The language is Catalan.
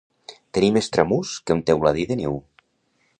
Tenir més tramús que un teuladí de niu.